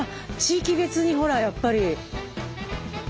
地域別にほらやっぱり。